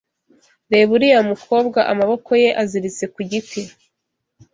reba uriya mukobwa amaboko ye aziritse kugiti.